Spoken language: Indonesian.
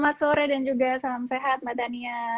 selamat sore dan juga salam sehat mbak tania